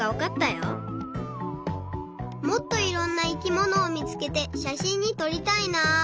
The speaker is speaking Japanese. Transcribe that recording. もっといろんな生きものをみつけてしゃしんにとりたいな。